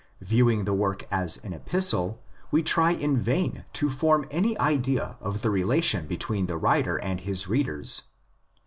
Viewing the work as an Epistle, we try in vain to form any idea of the relation between the writer and his readers.